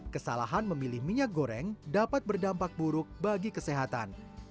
kesalahan memilih minyak goreng dapat berdampak buruk bagi kesehatan